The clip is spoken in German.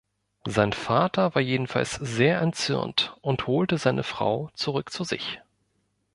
Sein Vater war jedenfalls sehr erzürnt und holte seine Frau zurück zu sich.